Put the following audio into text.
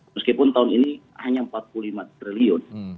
meskipun tahun ini hanya rp empat puluh lima triliun